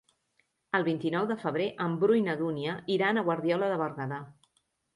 El vint-i-nou de febrer en Bru i na Dúnia iran a Guardiola de Berguedà.